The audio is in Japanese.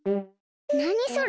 なにそれ？